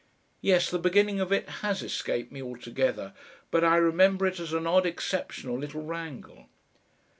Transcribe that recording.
Yes, the beginning of it has escaped me altogether, but I remember it as an odd exceptional little wrangle.